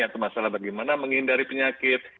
atau masalah bagaimana menghindari penyakit